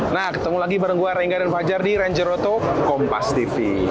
nah ketemu lagi bareng gue rengga dan fajar di renjeroto kompas tv